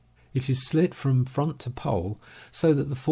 It is slit from front to pole, so that the for Fig.